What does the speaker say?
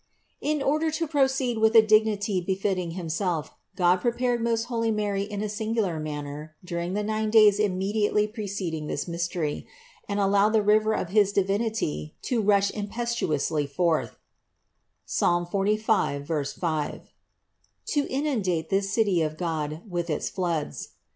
4. In order to proceed with a dignity befitting Himself, God prepared most holy Mary in a singular manner during the nine days immediately preceding this mystery, and allowed the river of his Divinity to rush impetuously forth (Psalm 45, 5) to inundate this City of God with its floods.